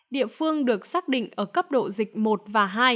địa phương được xác định ở cấp độ dịch một và hai